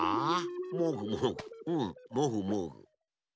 もぐもぐうんもぐもぐ。